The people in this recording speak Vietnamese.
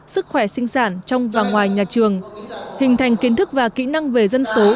sức khỏe sinh sản trong và ngoài nhà trường hình thành kiến thức và kỹ năng về dân số